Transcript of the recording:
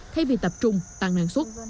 thay vì tập trung tăng năng suất